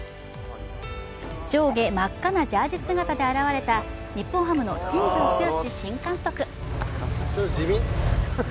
上下真っ赤なジャージー姿で現れた日本ハムの新庄剛志新監督。